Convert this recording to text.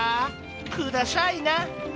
くださいな。